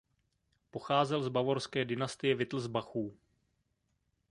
Pocházel z bavorské dynastie Wittelsbachů.